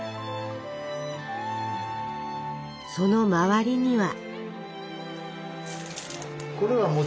その周りには。